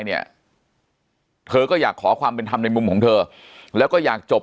เนี่ยเธอก็อยากขอความเป็นธรรมในมุมของเธอแล้วก็อยากจบ